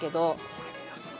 これ皆さん